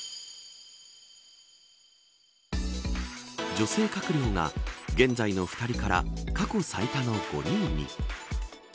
女性閣僚が現在の２人から過去最多の５人に。